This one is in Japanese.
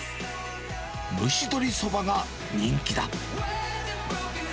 むしどりそばが人気だ。